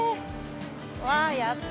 わぁやった！